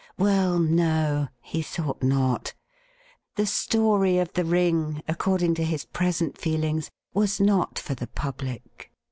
Well, no, he thought not. The story of the ring, according to his present feelings, was not for the public.